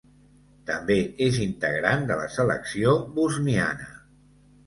També és integrant de la selecció bosniana.